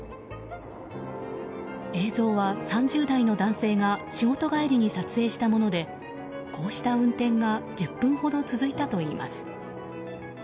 映像は３０代の男性が仕事帰りに撮影したものでこうした運転が１０分ほど続いたといいます。